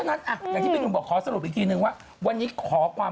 กินข้าวทำยังไงกินข้าวเต้าเต้าเต้า